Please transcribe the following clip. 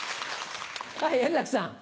はい円楽さん。